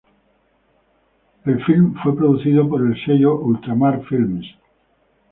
El filme fue producido por el sello Ultramar Films.